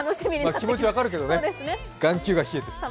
気持ち分かるけどね、眼球が冷えてる。